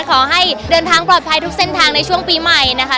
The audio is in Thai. ขอให้เดินทางปลอดภัยทุกเส้นทางในช่วงปีใหม่นะคะ